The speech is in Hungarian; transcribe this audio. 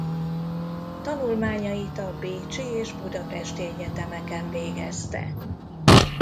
Tanulmányait a bécsi és budapesti egyetemeken végezte.